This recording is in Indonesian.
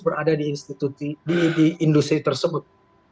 berada di industri tersebut